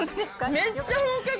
めっちゃ本格的。